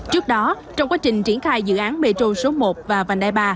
trước đó trong quá trình triển khai dự án metro số một và vành đai ba